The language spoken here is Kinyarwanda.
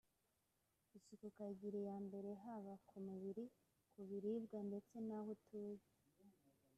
isuku ukayigira iya mbere haba ku mu biri ku biribwa ndetse n’aho utuye